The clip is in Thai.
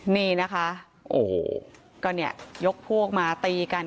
นี่นะคะโอ้โหก็เนี่ยยกพวกมาตีกัน